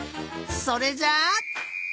それじゃあ。